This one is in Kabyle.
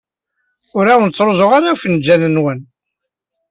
Ur awen-ttruẓuɣ ifenjalen-nwen.